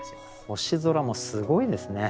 星空もすごいですね。